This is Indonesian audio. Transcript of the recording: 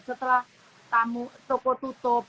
setelah toko tutup